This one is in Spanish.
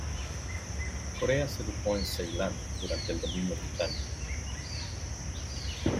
Corea se educó en Ceilán durante el dominio británico.